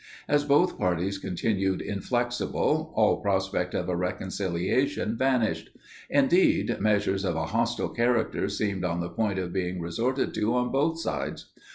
As both parties continued inflexible, all prospect of a reconciliation vanished. Indeed, measures of a hostile character seemed on the point of being resorted to on both sides.